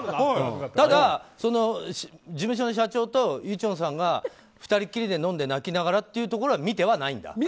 ただ事務所の社長とユチョンさんが２人きりで飲んで泣きながらっていうところは見てはないんだ？